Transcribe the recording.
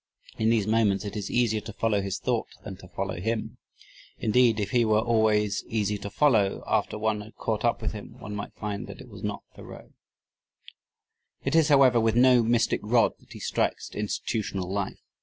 In these moments it is easier to follow his thought than to follow him. Indeed, if he were always easy to follow, after one had caught up with him, one might find that it was not Thoreau. It is, however, with no mystic rod that he strikes at institutional life.